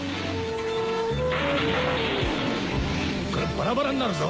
バラバラになるぞ！